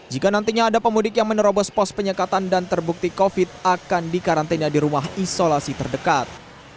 jika nantinya ada pemudik yang menerobos pos penyekatan dan terbukti covid akan dikarantina di rumah isolasi terdekat